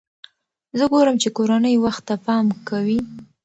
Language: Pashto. زه ګورم چې کورنۍ وخت ته پام کوي.